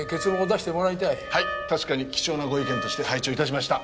はい確かに貴重なご意見として拝聴致しました。